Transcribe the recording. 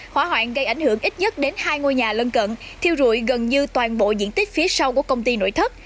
hỏa hoạn gây ảnh hưởng ít nhất đến hai ngôi nhà lân cận thiêu rụi gần như toàn bộ diện tích phía sau của công ty nội thất